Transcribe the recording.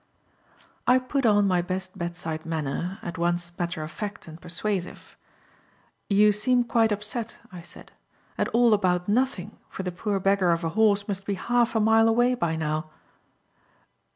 I put on my best bedside manner, at once matter of fact and persuasive. "You seem quite upset," I said, "and all about nothing, for the poor beggar of a horse must be half a mile away by now."